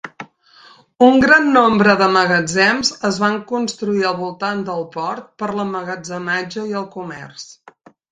Un gran nombre de magatzems es van construir a voltant del port per a l'emmagatzematge i el comerç.